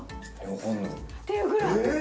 っていうぐらい。